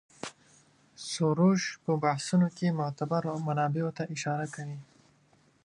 سروش په بحثونو کې معتبرو منابعو ته اشاره کوي.